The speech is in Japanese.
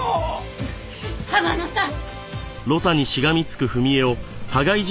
浜野さん！